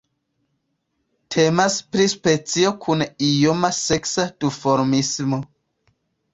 Temas pri specio kun ioma seksa duformismo.